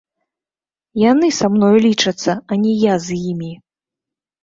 Яны са мною лічацца, а не я з імі!